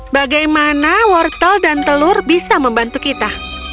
bagaimana wortel dan telur bisa membantu kita